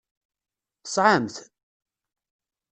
Tesɛam-t?